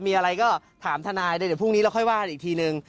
มีอะไรก็ถามทนายเดี๋ยวพรุ่งนี้เราค่อยว่ากันอีกทีนึง